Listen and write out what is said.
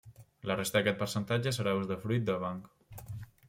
La resta d'aquest percentatge serà usdefruit del banc.